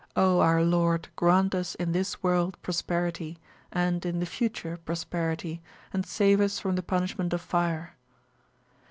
O, our Lord, grant us in this World Prosperity, and in the Future Prosperity, and save us from the Punishment of Fire!